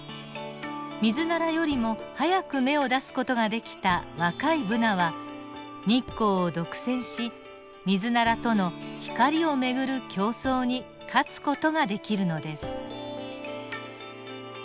ミズナラよりも早く芽を出す事ができた若いブナは日光を独占しミズナラとの光を巡る競争に勝つ事ができるのです。